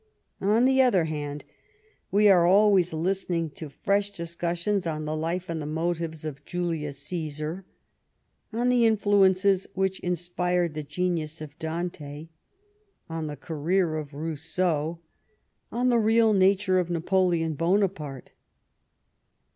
On the other hand, we are always listening to fresh discussions on the life and the motives of Julius Csesar; on the influences which inspired the genius of Dante; on the career of Eousseau; on the real nature of Napoleon Bonaparte.